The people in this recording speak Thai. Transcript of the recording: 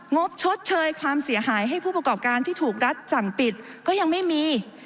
บชดเชยความเสียหายให้ผู้ประกอบการที่ถูกรัฐสั่งปิดก็ยังไม่มี